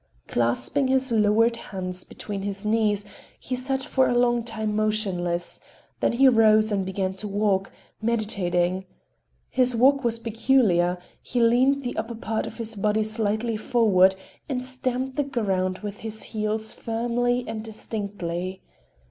Clasping his lowered hands between his knees, he sat for a long time motionless, then he rose and began to walk, meditating. His walk was peculiar: he leaned the upper part of his body slightly forward and stamped the ground with his heels firmly and distinctly.